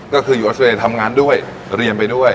ก็คืออยู่ออสเรย์ทำงานด้วยเรียนไปด้วย